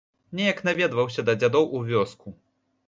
Неяк наведаўся да дзядоў у вёску.